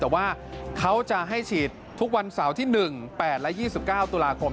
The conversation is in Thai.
แต่ว่าเขาจะให้ฉีดทุกวันเสาร์ที่๑๘และ๒๙ตุลาคม